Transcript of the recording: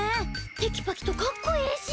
テキパキとかっこええし。